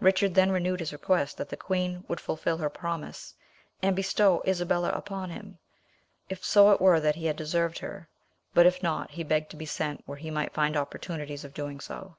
Richard then renewed his request that the queen would fulfil her promise, and bestow Isabella upon him, if so it were that he had deserved her, but if not, he begged to be sent where he might find opportunities of doing so.